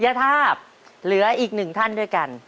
ยทาบเหลืออีกหนึ่งท่านด้วยกัน